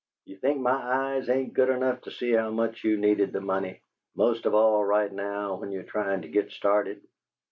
Do you think my eyes ain't good enough to see how much you needed the money, most of all right now when you're tryin' to git started?